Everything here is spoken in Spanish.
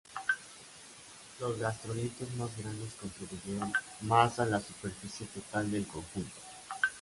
Los gastrolitos más grandes contribuyeron más a la superficie total del conjunto.